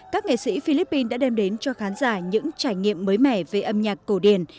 các nghệ sĩ philippines đã đem đến cho khán giả những trải nghiệm mới mẻ về âm nhạc cổ điển